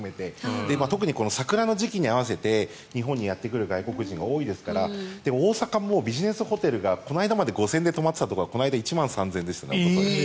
桜の季節に合わせて日本にやってくる外国人が多いですから大阪もビジネスホテルがこの間まで５０００円で泊まっていたところがこの間１万３０００円でしたから。